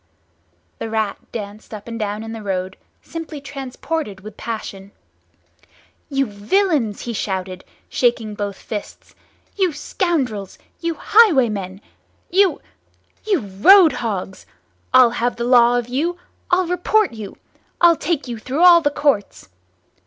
The Rat danced up and down in the road, simply transported with passion. "You villains!" he shouted, shaking both fists, "You scoundrels, you highwaymen, you—you—roadhogs!—I'll have the law of you! I'll report you! I'll take you through all the Courts!"